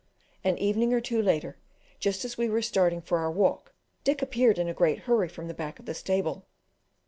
An evening or two later, just as we were starting for our walk, Dick appeared in a great hurry from the back of the stable.